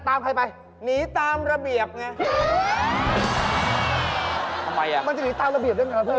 ทำไมล่ะมันจะหนีตามระเบียบได้ไหมครับพี่